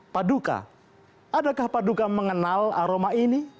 paduka adakah paduka mengenal aroma ini